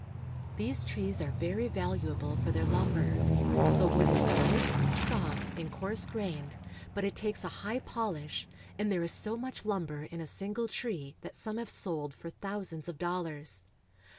These trees are very valuable for their lumber. The wood is light, soft, and coarse grained ; but it takes a high polish, and there is so much lumber in a single tree that some have sold for thousands of dollars.